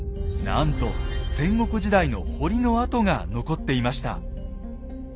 なんと戦国時代の堀の跡が残っていました。